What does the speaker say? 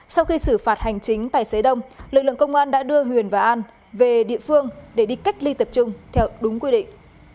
sau khi xử phạt hành chính tài xế đông lực lượng công an đã đưa huyền và an về địa phương để đi cách ly tập trung theo đúng quy định